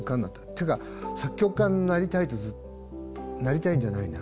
というか作曲家になりたいとなりたいんじゃないな。